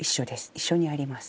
一緒にあります。